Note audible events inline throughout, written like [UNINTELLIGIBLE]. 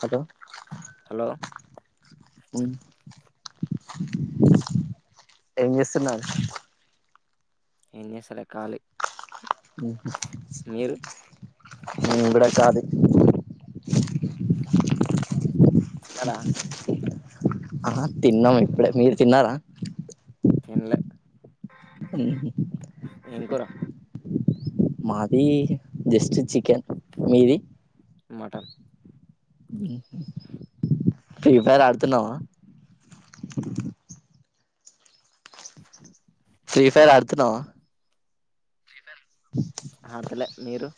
హద ఎం చేస్తున్నారు ఏం చేస్తాలే కాలి ఉ నేను కూడా ఖాళీ తిన్నారా ఆ తిన్నాం ఇప్పుడే మీరు తిన్నారా తిన్లే ఆ మాది జస్ట్ చికెన్ మీది మటన్ ఫ్రీ ఫైర్ ఆడుతున్నావా ఫ్రీ ఫైర్ ఆడుతున్నావా ఆడతలే మీరు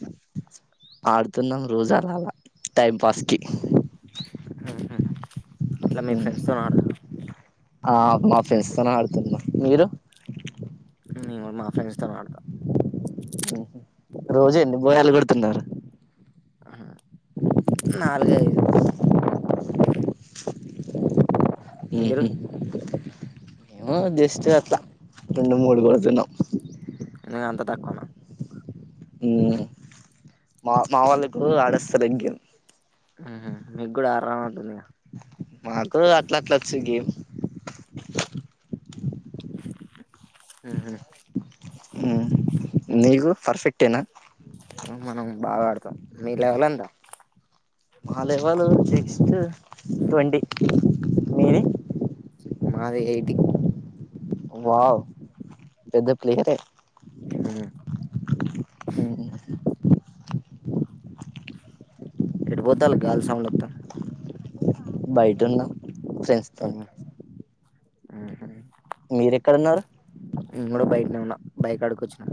ఆడుతున్నాం రోజలాల టైం పాస్ కి ఆ మా ఫెస్తోనే ఆడుతున్నా మీరు నేను గుడా మా ఫ్రెండ్స్ తోనే ఆడతా రోజేన్ని బోయాలు కొడుతున్నారు నాలుగ ఐదు ఉహు ఏమో జస్ట్ ఇష్టే అట్లా రెండు మూడు గోథీన్నావు ఏ అంత తక్కువనా ఉ మా మావలుకు ఆడస్త బెంగం మీకు కూడా ఆరాం ఉంటుంది ఇగ మాకు అట్ల అట్ల వచ్చు గేమ్ ఉ నీగు పర్ఫెక్ట్ టన మనం బాగా ఆడతాం మీలెవలందా మా లెవల్ సిక్స్ట్ ట్వంటీ మాది ఎయిటీ వావ్ పెద్ద ప్లేయరే ఎటు పోతాల గాల్ సౌండ్ వత్తంద్ బయట ఉన్నాం ఫ్రెండ్స్ తోని ఉ మీరు ఎక్కడ ఉన్నరు నేను కూడా బయటనే ఉన్నా బాయ్ కాడికి ఒచ్చిన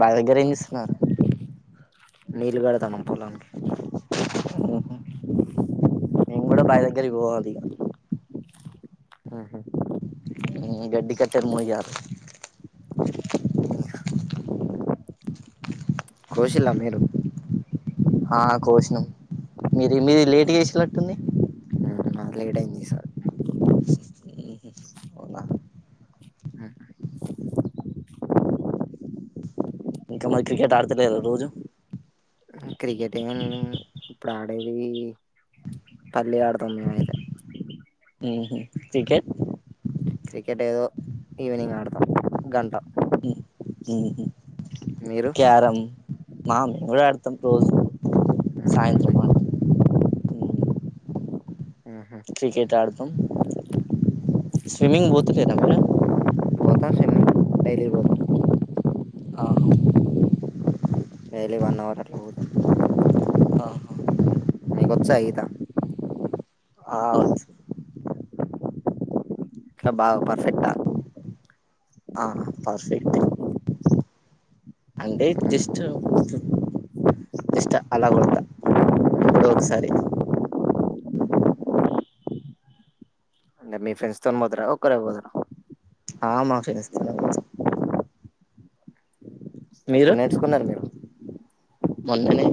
బాయ్ దగ్గర ఏం చేస్తున్నావ్ రా నీల్ గడదాం కొలను హలో అదే గరి ఒదిగ ఉహు గడ్డి కట్టల్ని మొయ్యాలి కే కోశలా మీరు ఆ కోసినం మీది మీరు లేట్ గా చేసినట్టుంది. లేట్ అయింది సారు. అ ఇంకా మరి క్రికెట్ ఆడతలేద రోజు క్రికెట్ ఏ మ్ ఇప్పుడు ఆడేది పల్లి ఆడతాం మేము అయితే హు ఉ క్రికెట్ క్రికెట్ ఏదో ఈవినింగ్ ఆడతాం గంట ఉ హు ఉ క్యారమ్ మామ్ ఎవడు ఆడతాం మడ రోజు సాయంత్రమా క్రికెట్ ఆడుతాం స్విమ్మింగ్ పోతలేద మీరు స్విమ్మింగ్ డైలీ పోతం ఆ డైలీ వన్ అవర్ అట్లా పోతం ఆ నీకు వోచ్చా ఈత ఆ వచ్చు ఇట్లా బాగా పర్ఫెక్టా ఆహ పర్ఫెక్ట్ అంటే జస్ట్ జస్ట్ అలా కొడతా ఎప్పుడో ఒకసారి అంటే మీ ఫ్రెండ్స్ తోని పోతరా ఒక్కరే పోతరా ఆ మా ఫ్రెండ్స్ తోనే పోతాం ఎప్పుడు నేర్చుకున్నారు మీరు మొన్ననే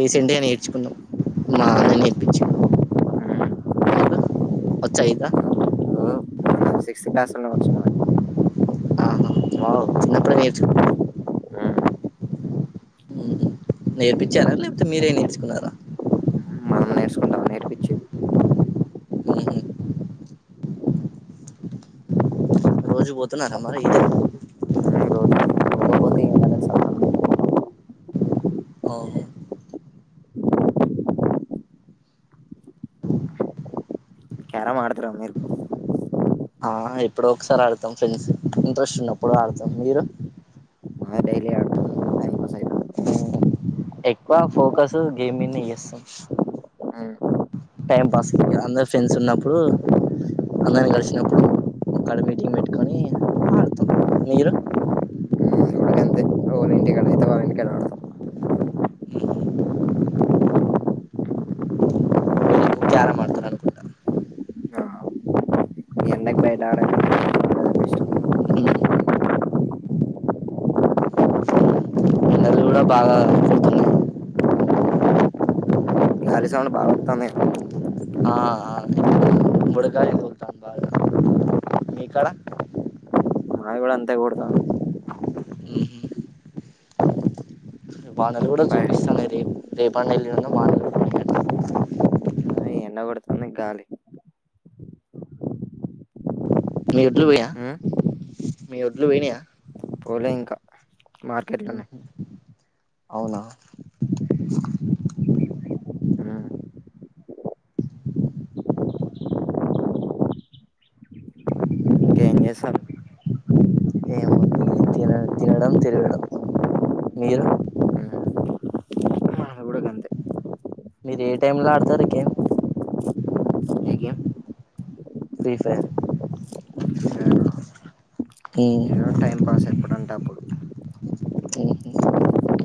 రీసెంట్గా నేర్చుకున్నాం మా అన్న నేర్పించిండు మీకు వచ్చాయిదా సిక్స్ క్లాస్ లోనే వచ్చు మనకి ఆహా వావ్ చిన్నప్పుడే నేర్చుకున్న ఉహు నేర్పించారా లేకపోతే మీరే నేర్చుకున్నారా ఉహు రోజు పోతున్నారా మరి ఈతకు ఆఓ ఆహ ఎప్పుడో ఒకసారి ఆడతాం ఫ్రెండ్స్ ఇంట్రెస్ట్ ఉన్నప్పుడు ఆడతాం మీరు ఉ ఎక్కువ ఫోకస్ గేమ్మిన్ చేస్తాం టైం పాస్ కు అందరు ఫ్రెండ్స్ ఉన్నప్పుడు అందరం కలిసినప్పుడు ఒకడ మీటింగ్ పెట్టుకొని ఆడతాం మీరు ఎవళ్ళింటికాడ అయితే వాళ్ళింటికాడ అడతం ఇంకో క్యారం ఆడతారు అనుకుంటా [UNINTELLIGIBLE] కూడా బాగా ఉడుకుతుంది గాలి సౌండ్ బాగా వత్తందే ఉడుకు గాలే తోలుతాంది మీకాడ మావి కూడా అంతే కొడతంది వానలు కూడా చూపిస్తానయి రేపు రేపన్న ఎల్లుండన్న వానలు కూడా పడతయట ఈ ఎండ కొడతంది గాలి మీ ఒట్లు పోయినయ మీ ఒట్లు వోయినాయా పోలే ఇంకా ఉహు అవునా ఏంచేస్తారు ఏముంది తిన తినడం తిరగడం మీరు మీరు ఏ టైమ్ లో ఆడతారు game Free Fire um time pass ఎప్పుడంటే అప్పుడు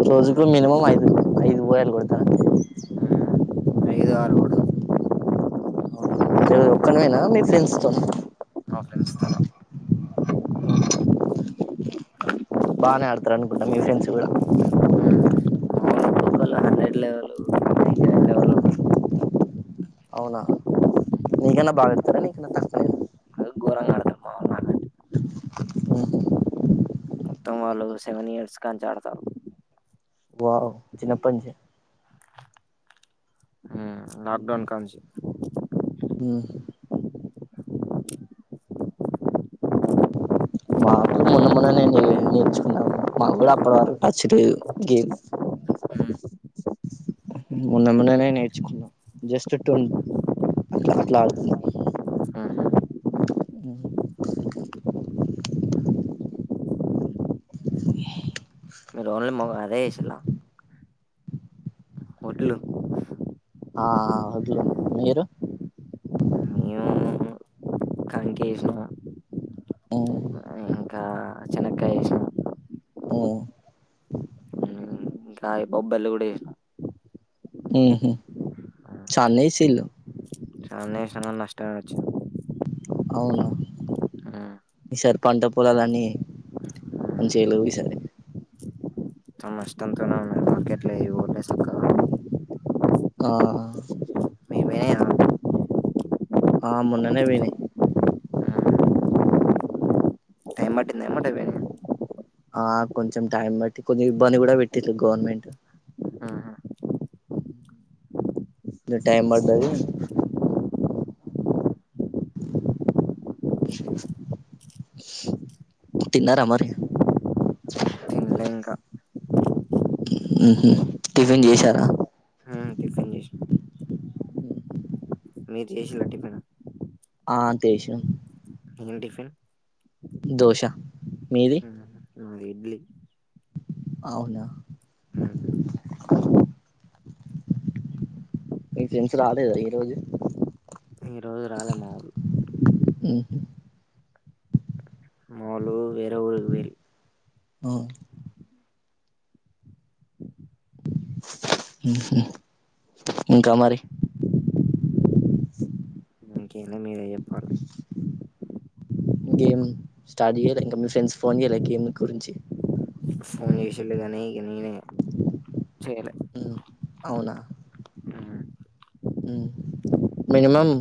రోజుకు మినిమం ఐదు ఐదు ఓయాలు కొడతా అయిదారు కొడతా అవునా నీవు ఒక్కనీవేనా మీ ఫ్రెండ్స్ తోనా మా ఫ్రెండ్స్ తోనే బానే ఆడతారు అనుకుంటా మీ ఫ్రెండ్స్ కూడా వేరే లెవెలు అవునా నీకన్నా బాగాడతారా నీకన్నా తక్కువనే నా ఉహు వాళ్ళు సెవెన్ ఇయర్స్ కాంచి అడ్తర్రు వావ్ చిన్నప్పనుంచి లాక్డౌన్ కాడనుంచి మ్మ్ మాకు మొన్న మొన్న నేను నేర్చుకున్నాం మేం మాకు కూడా అప్పటి వరకు టచ్ లేదు గేమ్ మొన్న మన్ననే నేర్చుకున్నాం జస్ట్ ట్వాన్ అట్లా అట్లా ఆడుతున్నాం ప్డేసిల్ల ఆ ఆ వకీలు మీరు ఆ చానకయ్య మ్మ్ ఇంకా ఈ బొబ్బార్లు కూడా వేసినం మ్మ్ హ్మ్చల్నే ఏసిన్రు చాల ఇష్టంగా నష్ట వచ్చు [INAUDIBLE] అవును ఈసారి పంట పొలాలన్నీ మంచి ఈసారి [UNINTELLIGIBLE] మ ఉన్నా మార్కెట్ల ఇటే సక్కా ఆ మేమే ఆ మొన్ననే పోయినాయ్ ఏం అట వే ఆ కొంచెం టైం బట్టి కొదిగా ఇబ్బది కూడా పెటిరు గవర్నమెంట్ టైమ్ పడ్డది తిన్నారామరి మ్మ్ హ్మ్ టిఫిన్ చేసారా మీరు చేసిరా టిఫిను ఆ తేషాం ఎం టిఫిన్ దోష మీది ఇడ్లీ అవునా మీ ఫ్రెండ్స్ రాలేదా ఈ రోజు ఉ మ్మ్ హ్మ్ ఇంకా మరి ఇంకే లే మీరే చెప్పాలి గేమ్ స్టార్ట్ చేయ్యాలి ఇంకా మీ ఫ్రెండ్స్ ఫోన్ చేయ్యాలే గేమ్ గురించి ఫోన్ చేసిరు కానీ ఇగ నేనే చేయలే మ్మ్ అవునా మ్మ్ మినిమమ్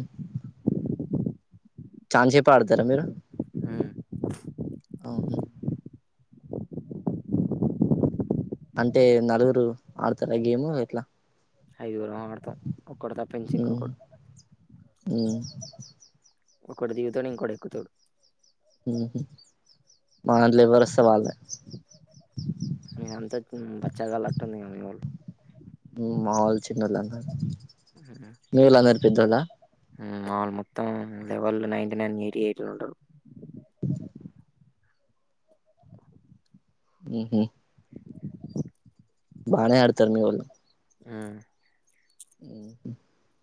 చానా సేపు ఆడుతారా మీరు ఆహా అంటే నలుగురు ఆడతారు ఆ గేము ఎట్లా ఒక్కడు తప్పించి ఇంకొకడు మ్మ్ ఒకడు దిగుతాడు ఇంకోడు ఎక్కుతాడు మ్మ్ హ్మ్ మా దాంట్లో ఎవ్వరు వస్తే వెళ్ళే ఆ మావోలు చిన్నల అన్నారు మీవోలు అందరూ పెదోలా ఆ మావోలు మొత్తం level ninety nine eighty eight లో ఉంటారు మ్మ్ హ్మ్ బానేే ఆడతారు మీవోళ్ళు [UNINTELLIGIBLE]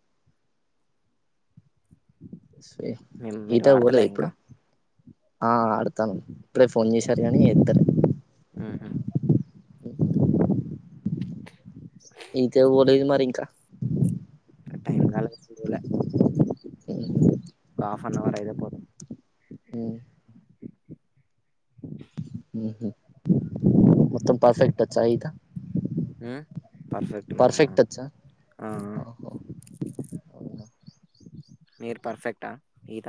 [UNINTELLIGIBLE] మీరు ఆడుతలే ఇంకా ఆ ఆడతాను ఇప్పుడే ఫోన్ చేశారు కానీ ఎతలే ఇంకా పోలేదు మరి ఇంకా హాఫనవర్ అయితే పోదం మొత్తం పర్ఫెక్ట్ వచ్చా ఈత పర్ఫెక్ట్ మనం ఆ మీరు పర్ఫెక్టా ఈత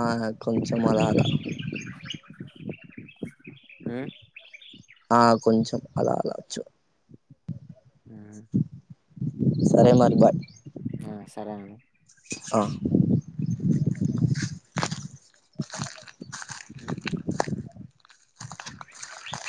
ఆహా కొంచెం అలా అలా ఆ కొంచెం అలా అలా వచ్చు సరే మరి బాయ్ సరే అండి ఆ